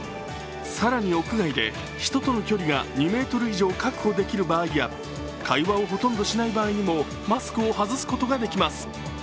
更に屋外で人との距離が２ｍ以上、確保できる場合や会話をほとんどしない場合にもマスクを外すことができます。